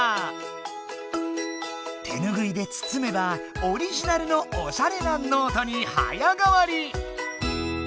手ぬぐいでつつめばオリジナルのおしゃれなノートに早がわり！